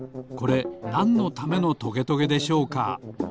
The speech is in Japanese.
これなんのためのトゲトゲでしょうか？